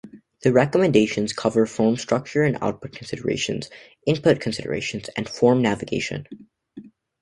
The recommendations cover form structure and output considerations, input considerations, and form navigation.